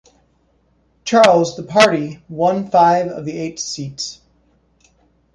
Charles, the party won five of the eight seats.